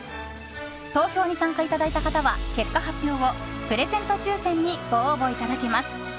投票に参加いただいた方は結果発表後プレゼント抽選にご応募いただけます。